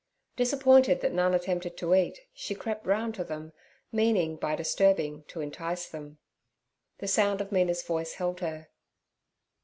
Disappointed that none attempted to eat, she crept round to them, meaning by disturbing to entice them. The sound of Mina's voice held her.